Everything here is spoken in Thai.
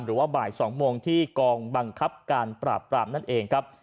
หรือว่าบ่าย๒โมงที่กองบังคับการปราบปรามนั่นเองครับ